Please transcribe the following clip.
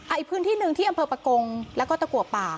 อีกพื้นที่หนึ่งที่อำเภอประกงแล้วก็ตะกัวป่า